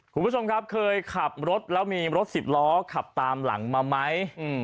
คุณผู้ชมครับเคยขับรถแล้วมีรถสิบล้อขับตามหลังมาไหม